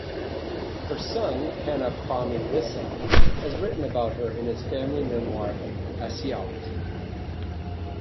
Her son Hanna Fahmy Wissa has written about her in his family memoir "Assiout".